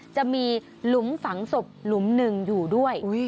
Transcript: จะมีหลุมฝังศพหลุมหนึ่งอยู่ด้วย